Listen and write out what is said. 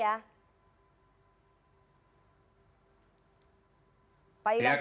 iya kami optimis mbak